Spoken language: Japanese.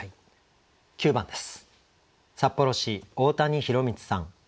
９番です。